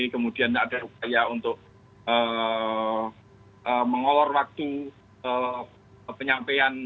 kemudian ada upaya untuk mengolor waktu penyampaian